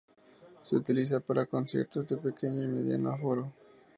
Se utiliza para conciertos de pequeño y mediano aforo.